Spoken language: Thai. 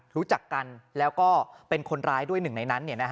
รู้จักกันแล้วก็เป็นคนร้ายด้วยหนึ่งในนั้น